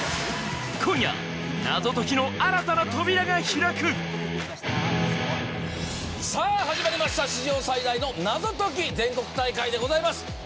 今夜謎解きの新たな扉が開くさぁ始まりました史上最大の謎解き全国大会でございます。